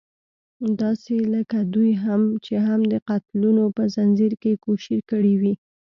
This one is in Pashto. داسې لکه دوی چې هم د قتلونو په ځنځير کې کوشير کړې وي.